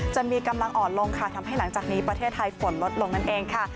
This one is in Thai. จะมีกำลังอ่อนลงค่ะทำให้หลังจากนี้ประเทศไทยฝนลดลงนั่นเองค่ะ